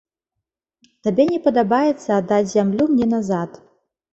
Табе не падабаецца аддаць зямлю мне назад.